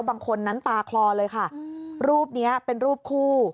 บางคนนั้นตาคลอเลยค่ะรูปนี้เป็นรูปคู่